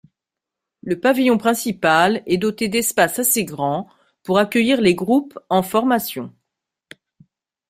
Le Pavillon principal est doté d’espaces assez grands pour accueillir les groupes en formation.